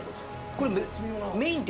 これ絶妙だな。